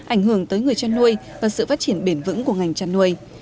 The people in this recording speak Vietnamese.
ảnh hưởng tới người chăn nuôi và sự phát triển bền vững của ngành chăn nuôi